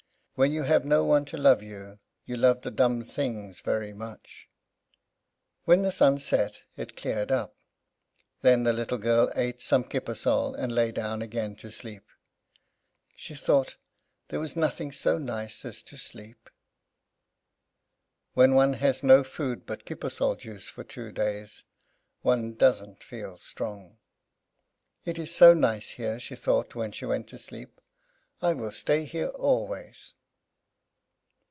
When you have no one to love you, you love the dumb things very much. When the sun set, it cleared up. Then the little girl ate some kippersol, and lay down again to sleep. She thought there was nothing so nice as to sleep. When one has had no food but kippersol juice for two days, one doesn't feel strong. "It is so nice here," she thought as she went to sleep, "I will stay here always."